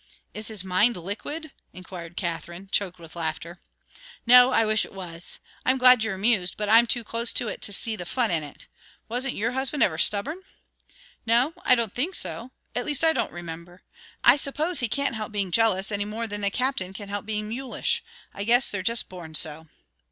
"Is his mind liquid?" inquired Katherine, choked with laughter. "No I wish it was. I'm glad you're amused, but I'm too close to it to see the fun in it. Wasn't your husband ever stubborn?" "No; I don't think so at least, I don't remember. I suppose he can't help being jealous any more than the Captain can help being mulish. I guess they're just born so."